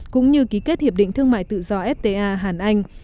cũng như ký kết hiệp định thương mại tự do fta hàn anh